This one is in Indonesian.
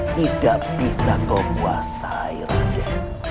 tidak bisa kau kuasai raja